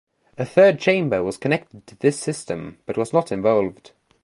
A third chamber was connected to this system but was not involved.